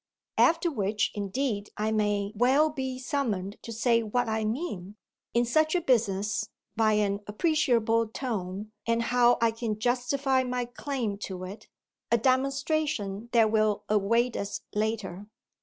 After which indeed I may well be summoned to say what I mean, in such a business, by an appreciable "tone" and how I can justify my claim to it a demonstration that will await us later.